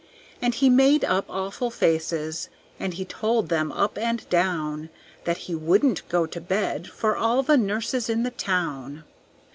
And he made up awful faces, and he told them up and down That he wouldn't go to bed for all the nurses in the town.